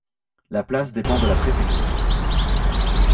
La place dépend de la préfecture.